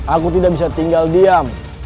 aku tidak bisa tinggal diam